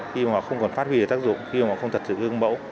khi mà không còn phát huy để tác dụng khi mà không thật sự hương mẫu